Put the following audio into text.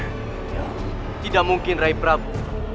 ya tidak mungkin raih prabu